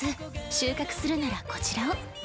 収穫するならこちらを。